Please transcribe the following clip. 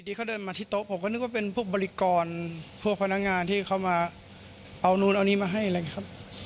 เขาเดินมาที่โต๊ะผมก็นึกว่าเป็นพวกบริกรพวกพนักงานที่เขามาเอานู่นเอานี่มาให้อะไรอย่างนี้ครับ